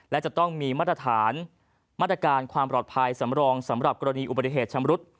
และจะต้องมีมาตรฐานมาตรการความปลอดภัยสำรองสำหรับกรณีอุบัติเหตุชำรุด